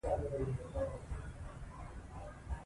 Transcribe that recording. په یونلیک کې لیکوال د سفر په ترڅ کې.